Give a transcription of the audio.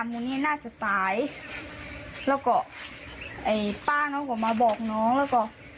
มูลนิธิน่าจะตายแล้วก็ไอ้ป้าน้องก็มาบอกน้องแล้วก็